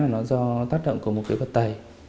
nó do tác động của một cái vật tầy